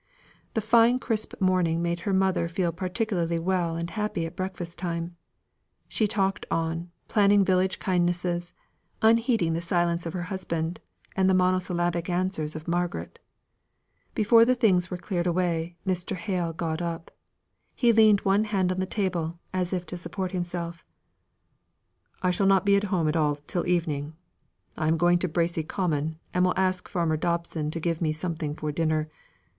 The fine crisp morning made her mother feel particularly well and happy at breakfast time. She talked on, planning village kindness, unheeding the silence of her husband and the monosyllabic answers of Margaret. Before the things were cleared away, Mr. Hale got up; he leaned one hand on the table, as if to support himself: "I shall not be home till evening. I am going to Bracy Common, and will ask Farmer Dobson to give me something for dinner.